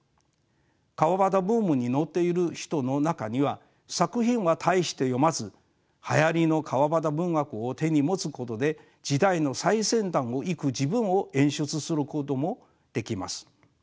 川端ブームに乗っている人の中には作品は大して読まずはやりの川端文学を手に持つことで時代の最先端をいく自分を演出することもできます。